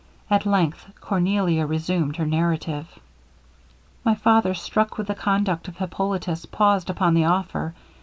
At length Cornelia resumed her narrative. 'My father, struck with the conduct of Hippolitus, paused upon the offer.